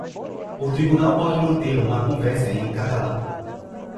O tribunal pode manter uma conversa em catalão.